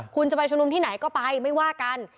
คุณจะไปชุมนุมที่ไหนก็ไปไม่ว่ากัน